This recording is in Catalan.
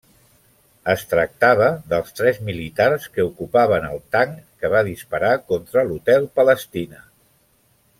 Es tractava dels tres militars que ocupaven el tanc que va disparar contra l'Hotel Palestina.